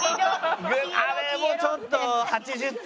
あれもちょっと８０点